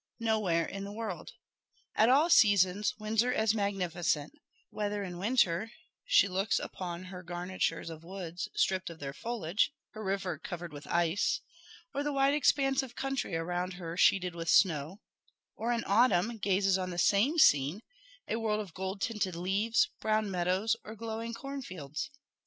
Nowhere in the world. At all seasons Windsor is magnificent: whether, in winter, she looks upon her garnitures of woods stripped of their foliage her river covered with ice or the wide expanse of country around her sheeted with snow or, in autumn, gazes on the same scene a world of golden tinted leaves, brown meadows, or glowing cornfields.